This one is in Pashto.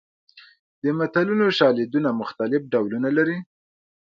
د متلونو شالیدونه مختلف ډولونه لري